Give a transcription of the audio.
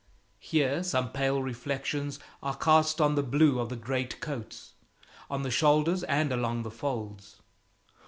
Here, some pale reflections are cast on the blue of the greatcoats, on the shoulders and along the folds.